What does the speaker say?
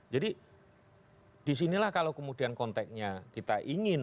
jadi disinilah kalau kemudian konteksnya kita ingin